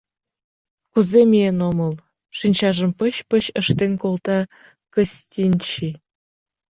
— Кузе миен омыл, — шинчажым пыч-пыч ыштен колта Кыстинчи.